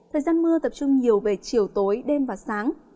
thời gian mưa tập trung nhiều về chiều tối đêm và sáng